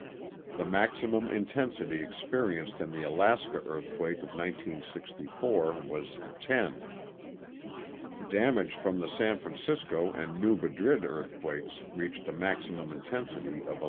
The maximum intensity experienced in the Alaska earthquake of 1964 was X; damage from the San Francisco and New Madrid earthquakes reached a maximum intensity of XI.